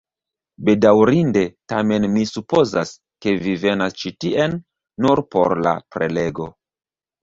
Bedaŭrinde, tamen mi supozas, ke vi venas ĉi tien nur por la prelego